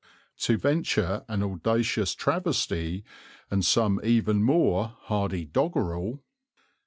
To venture an audacious travesty, and some even more hardy doggerel: _...